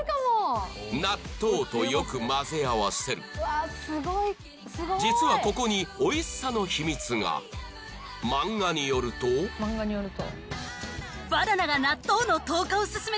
納豆とよく混ぜ合わせる実はここにおいしさの秘密が漫画によるととのこと